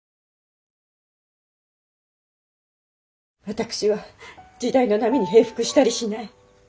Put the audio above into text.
私は時代の波に平伏したりしない。